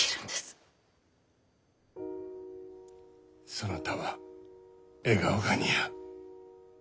そなたは笑顔が似合う。